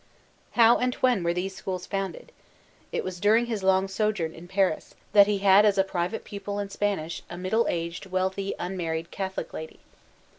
How and when were these schools founded? It was during his long sojourn in Paris, that he had as a private pupil in Spanish, a middle aged, wealthy, unmarried, Catholic lady.